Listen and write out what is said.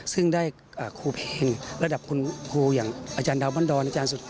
ซึ่งได้ครูเพลงระดับคุณคูยังอาจารย์ดาวบันดรอาจารย์สุฟโก